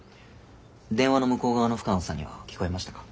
電話の向こう側の深野さんには聞こえましたか？